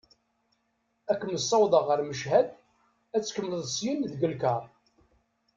Ad kem-ssawḍeɣ ɣer Machad ad tkemmleḍ syen deg lkaṛ.